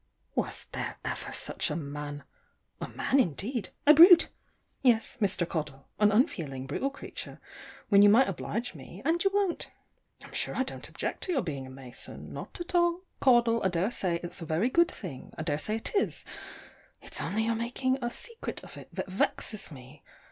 Was there ever such a man? A man, indeed! A brute! yes, Mr. Caudle, an unfeeling, brutal creature, when you might oblige me, and you won't. I'm sure I don't object to your being a Mason; not at all, Caudle; I daresay it's a very good thing; I daresay it is: it's only your making a secret of it that vexes me.